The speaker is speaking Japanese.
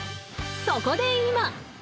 そこで今！